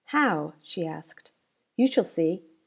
"How?" she asked. "You shall see.